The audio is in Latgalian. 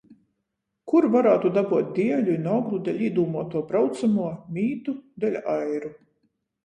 Kur varātu dabuot dieļu i noglu deļ īdūmuotuo braucamuo, mītu deļ airu.